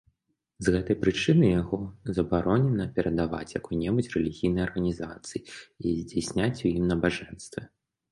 З гэтай прычыны яго забаронена перадаваць якой-небудзь рэлігійнай арганізацыі і здзяйсняць у ім набажэнствы.